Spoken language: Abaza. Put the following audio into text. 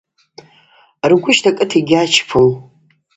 Ргвы щтӏакӏыта йгьачпум.